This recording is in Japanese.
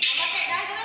大丈夫。